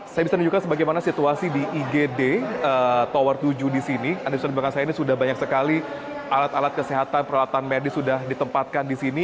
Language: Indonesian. saya bisa menunjukkan sebagaimana situasi di igd tower tujuh di sini anda bisa di belakang saya ini sudah banyak sekali alat alat kesehatan peralatan medis sudah ditempatkan di sini